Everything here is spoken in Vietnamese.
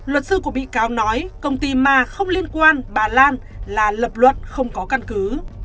luật sư của bị cáo nói công ty mà không liên quan bà lan là lập luận không có căn cứ